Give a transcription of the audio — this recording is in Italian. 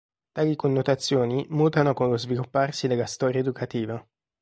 Tali connotazioni mutano con lo svilupparsi della storia educativa.